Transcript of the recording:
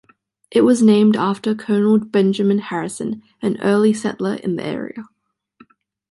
It was named after Colonel Benjamin Harrison, an early settler in the area.